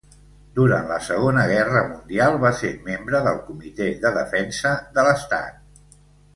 Durant la Segona Guerra Mundial va ser membre del Comitè de Defensa de l'Estat.